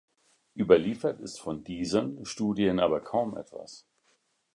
Überliefert ist von diesen Studien aber kaum etwas.